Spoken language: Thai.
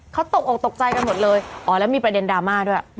เขาตกออกตกใจกันหมดเลยอ๋อแล้วมีประเด็นดราม่าด้วย